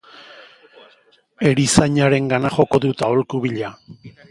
Erizainarengana joko dut aholku bila.